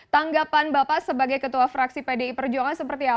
tanggapan bapak sebagai ketua fraksi pdi perjuangan seperti apa